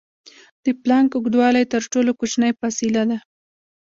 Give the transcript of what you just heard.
د پلانک اوږدوالی تر ټولو کوچنۍ فاصلې ده.